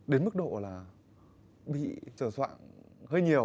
đến mức độ là bị trở soạn hơi nhiều